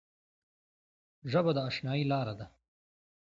ژبه د اشنايي لاره ده